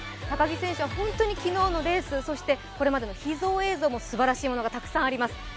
高木選手は昨日のレース、これまでの秘蔵映像もすばらしいものがたくさんあります。